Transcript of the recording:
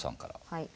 はい。